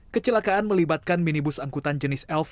kecelakaan melibatkan minibus angkutan jenis elf